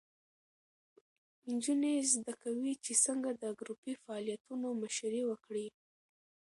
نجونې زده کوي چې څنګه د ګروپي فعالیتونو مشري وکړي.